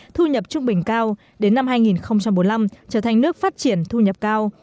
thu nhập trung bình cao đến năm hai nghìn bốn mươi năm trở thành nước phát triển thu nhập cao